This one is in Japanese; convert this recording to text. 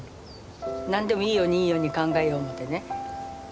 何でもいいようにいいように考えよう思てね。